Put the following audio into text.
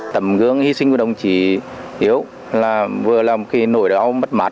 tầm gương hy sinh của đồng chí hiếu là vừa là một khi nổi đó mất mát